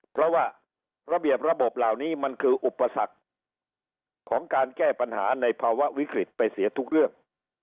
เพราะว่าระเบียบระบบเหล่านี้มันคืออุปสรรคของการแก้ปัญหาในภาวะวิกฤตไปเสียทุกเรื่อง